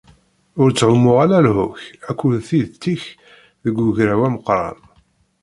Ur ttɣummuɣ ara lehhu-k akked tidet-ik deg ugraw ameqqran.